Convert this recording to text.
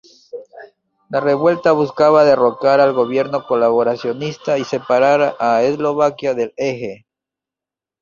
La revuelta buscaba derrocar al gobierno colaboracionista y separar a Eslovaquia del Eje.